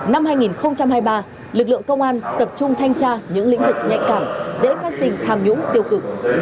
năm hai nghìn hai mươi ba lực lượng công an tập trung thanh tra những lĩnh vực nhạy cảm dễ phát sinh tham nhũng tiêu cực